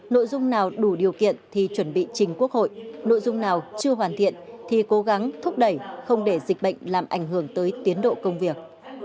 nội dung nào đủ điều kiện thì chuẩn bị trình quốc hội nội dung nào chưa hoàn thiện thì cố gắng thúc đẩy không để dịch bệnh làm ảnh hưởng tới tiến độ công việc